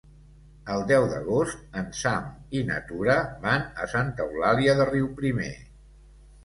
El deu d'agost en Sam i na Tura van a Santa Eulàlia de Riuprimer.